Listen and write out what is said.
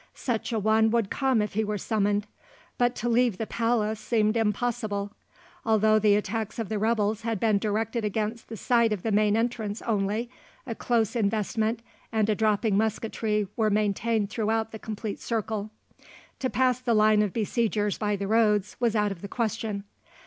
Such a one would come if he were summoned; but to leave the palace seemed impossible. Although the attacks of the rebels had been directed against the side of the main entrance only, a close investment and a dropping musketry were maintained throughout the complete circle. To pass the line of besiegers by the roads was out of the question.